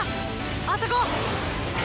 あそこ！